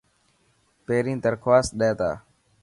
پهرين درخواست ڏي تا.